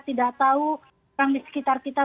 tidak tahu orang di sekitar kita